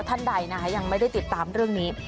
ท่านใดนะคะยังไม่ได้ติดตามเรื่องนี้